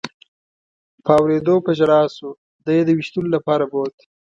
په اورېدو په ژړا شو، دی یې د وېشتلو لپاره بوت.